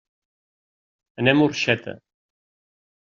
Anem a Orxeta.